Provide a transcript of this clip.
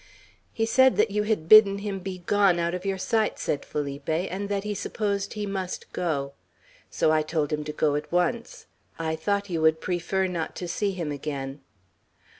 "He said that you had bidden him begone out of your sight," said Felipe, "and that he supposed he must go. So I told him to go at once. I thought you would prefer not to see him again."